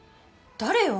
誰よ？